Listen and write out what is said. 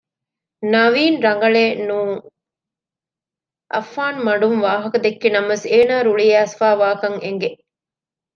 ނަވީން ރަނގަޅޭނުން އައްފާން މަޑުން ވާހަކަ ދެއްކި ނަމަވެސް އޭނާ ރުޅި އައިސްފައިވާކަން އެނގެ